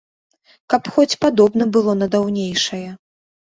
Каб хоць падобна было на даўнейшае.